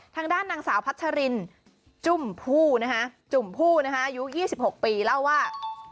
ทางด้านนางสาวพัชรินจุ่มผู้นะฮะจุ่มผู้นะฮะอายุ๒๖ปีเล่าว่า